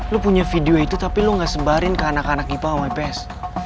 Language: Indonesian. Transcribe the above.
lo punya video itu tapi lo gak sembarin ke anak anak ipao mps